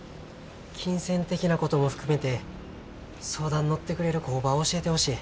金銭的なことも含めて相談乗ってくれる工場教えてほしい。